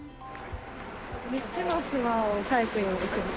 ３つの島をサイクリングします。